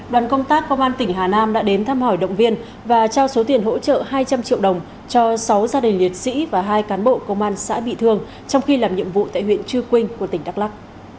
đoàn công tác công an tỉnh hà nam đã đến thăm hỏi động viên và trao số tiền hỗ trợ hai trăm linh triệu đồng cho sáu gia đình liệt sĩ và hai cán bộ công an xã bị thương trong khi làm nhiệm vụ tại huyện chư quynh của tỉnh đắk lắc